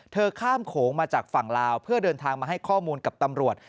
ข้ามโขงมาจากฝั่งลาวเพื่อเดินทางมาให้ข้อมูลกับตำรวจ